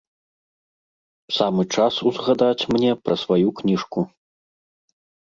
Самы час узгадаць мне пра сваю кніжку.